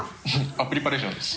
あっプリパレーションです。